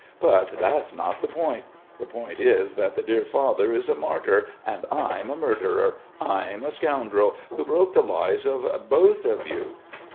But that's not the point. The point is that the dear father is a martyr, and I'm a murderer, I'm a scoundrel, who broke the lives of both of you...."